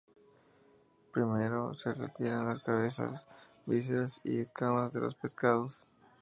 Primero se retiran las cabezas, vísceras y escamas de los pescados.